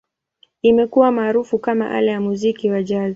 Imekuwa maarufu kama ala ya muziki wa Jazz.